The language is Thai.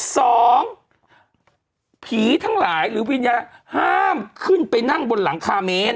สองผีทั้งหลายหรือวิญญาณห้ามขึ้นไปนั่งบนหลังคาเมตร